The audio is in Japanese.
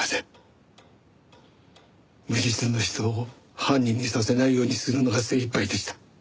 無実の人を犯人にさせないようにするのが精いっぱいでした。